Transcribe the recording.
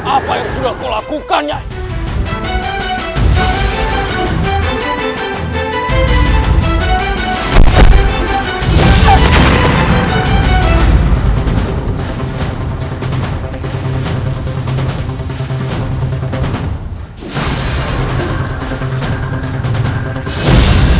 apa yang sudah kau lakukan nyai